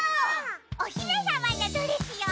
おひめさまのドレスよ！